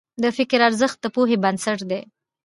د فکر ارزښت د پوهې بنسټ دی.